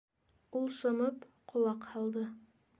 Ул шымып, ҡолаҡ һалды.